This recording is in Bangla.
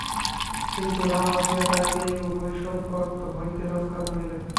কিন্তু রাম আসিয়া তাঁহাকে এই উভয়সঙ্কট হইতে রক্ষা করিলেন।